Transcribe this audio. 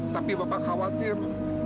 tapi bapak khawatir